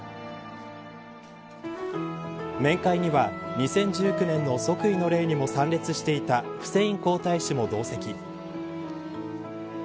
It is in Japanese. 面会には、２０１９年の即位の礼にも参列していたフセイン皇太子も同席。